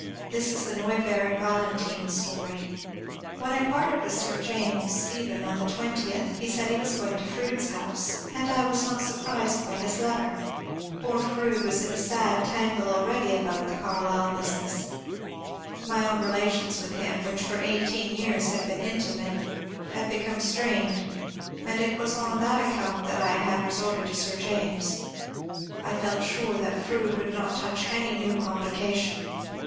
This is the Neuberg BaUantyne story. When I parted with Sir James Stephen on the 20tb he said he was going to Froude's house, and I was not surprised 412 MONCUBE DAIOEL CONWAY * by bis letter. Poor Froude was in a sad tangle already abont the Carlyle business. My own relations with him, which for eighteen years had been intimate, had become strained, and it was on that account that I had resorted to Sir James. I felt sure that Froude would not touch any new complication.